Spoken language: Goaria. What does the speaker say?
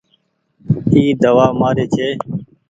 اي دوآ مآري ڇي۔